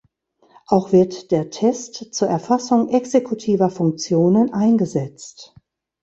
Auch wird der Test zur Erfassung exekutiver Funktionen eingesetzt.